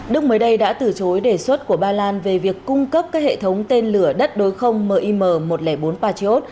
đức mới đây đã từ chối đề xuất của ba lan về việc cung cấp các hệ thống tên lửa đất đối không mim một trăm linh bốn patriot